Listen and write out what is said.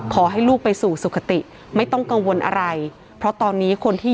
ขอให้ลูกไปสู่สุขติไม่ต้องกังวลอะไรเพราะตอนนี้คนที่